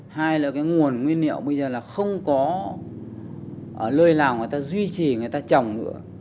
hai là cái nguồn nguyên liệu bây giờ là không có ở lơi nào người ta duy trì người ta trồng nữa